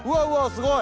すごい。